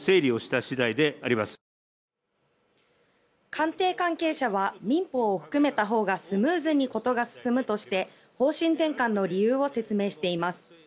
官邸関係者は民法を含めたほうがスムーズに事が進むとして方針転換の理由を説明しています。